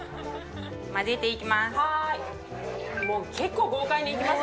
混ぜていきます。